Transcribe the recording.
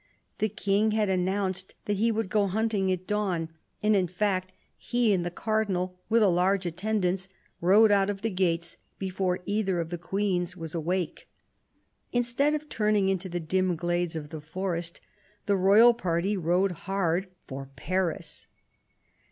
The King had announced that he would go hunting at dawn ; and in fact he and the Cardinal, with a large attendance, rode out of the gates before either of the Queens was awake. Instead of turning into the dim glades of the forest, the royal party rode hard for Paris.